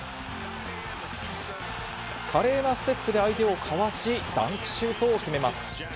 華麗なステップで相手をかわし、ダンクシュートを決めます。